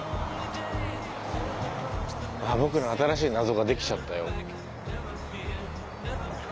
僕の新しい謎ができちゃったよ。